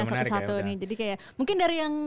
satu satu nih jadi kayak mungkin dari yang